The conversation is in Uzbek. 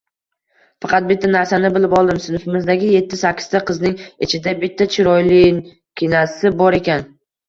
Faqat bitta narsani bilib oldim: sinfimizdagi yetti-sakkizta qizning ichida bitta chiroylikkinasi bor ekan.